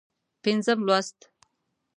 پينځم لوست